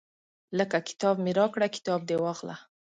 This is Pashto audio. لکه کتاب مې راکړه کتاب دې واخله.